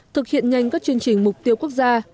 thực hiện nhanh các chương trình mục tiêu quốc gia